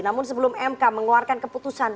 namun sebelum mk mengeluarkan keputusan